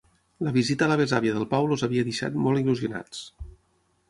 La visita a la besàvia del Pau els havia deixat molt il·lusionats.